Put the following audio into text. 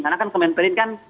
karena kan kemenperin kan